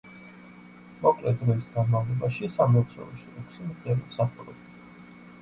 მოკლე დროის განმავლობაში სამლოცველოში ექვსი მღვდელი მსახურობდა.